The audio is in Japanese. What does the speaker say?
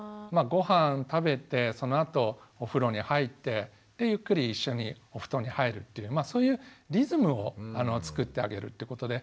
ごはん食べてそのあとお風呂に入ってゆっくり一緒にお布団に入るというそういうリズムを作ってあげるってことで。